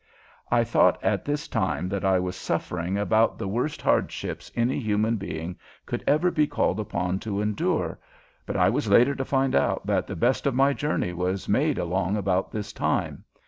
I thought at this time that I was suffering about the worst hardships any human being could ever be called upon to endure, but I was later to find out that the best of my journey was made along about this time.